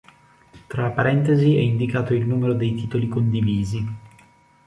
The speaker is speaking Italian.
Tra parentesi è indicato il numeri dei titoli condivisi.